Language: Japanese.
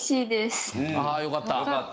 ああよかった。